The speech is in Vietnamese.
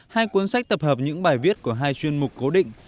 hai cuốn sách tập hợp những bài viết của hai chuyên mục cố định